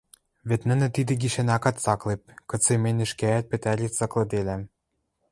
вет нӹнӹ тидӹ гишӓн акат цаклеп, кыце мӹнь ӹшкеӓт пӹтӓри цаклыделам.